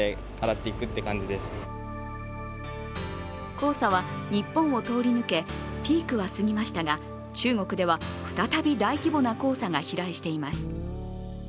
黄砂は日本を通り抜け、ピークは過ぎましたが中国では、再び大規模な黄砂が飛来しています。